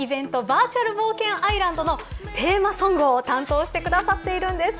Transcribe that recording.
バーチャル冒険アイランドのテーマソングを担当してくださっているんです。